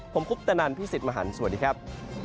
ผมคุปตะนันพี่สิทธิ์มหันฯสวัสดีครับ